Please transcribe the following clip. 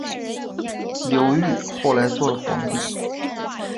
刘裕后来做了皇帝。